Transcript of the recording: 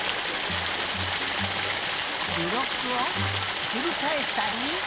ブロックをひっくりかえしたり。